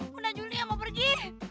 bunda julia mau pergi